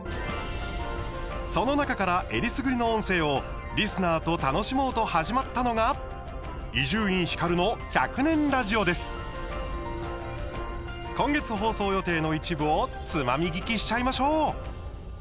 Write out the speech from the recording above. その中からえりすぐりの「音声」をリスナーと楽しもうと始まったのが今月、放送予定の一部をつまみ聞きしちゃいましょう。